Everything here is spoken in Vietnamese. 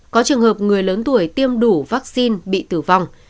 có trường hợp người lớn tuổi tiêm đủ vaccine bị tử vong